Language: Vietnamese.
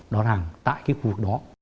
nói rằng tại cái khu vực đó